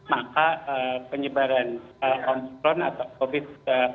maka penyebaran omikron atau covid sembilan belas